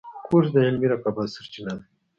کورس د علمي رقابت سرچینه ده.